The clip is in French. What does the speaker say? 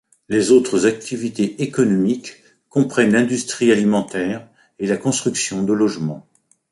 Les autres activités économiques comprennent l'industrie alimentaire et la construction de logements.